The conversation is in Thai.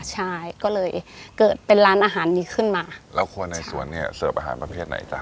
ใช่ก็เลยเกิดเป็นร้านอาหารนี้ขึ้นมาแล้วคนในสวนเนี่ยเสิร์ฟอาหารประเภทไหนจ้ะ